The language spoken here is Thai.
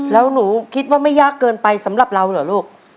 แล้วหนูคิดว่าไม่ยากเกินไปสำหรับเราเหรอลูก